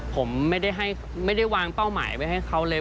ผมไม่ได้วางเป้าหมายไว้ให้เขาเลย